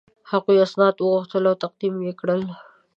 هغوی اسناد وغوښتل او تقدیم یې کړل.